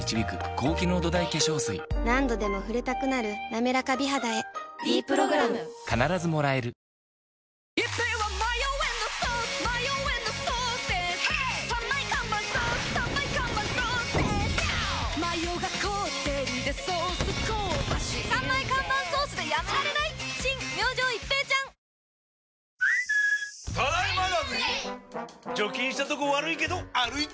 何度でも触れたくなる「なめらか美肌」へ「ｄプログラム」まだ始めてないの？